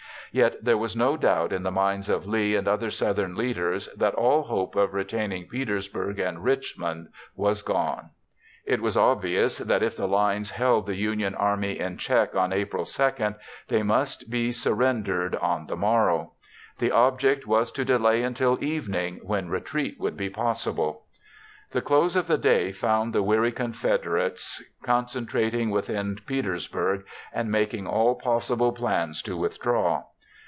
Yet there was no doubt in the minds of Lee and other Southern leaders that all hope of retaining Petersburg and Richmond was gone. It was obvious that, if the lines held the Union army in check on April 2, they must be surrendered on the morrow. The object was to delay until evening, when retreat would be possible. The close of the day found the weary Confederates concentrating within Petersburg and making all possible plans to withdraw.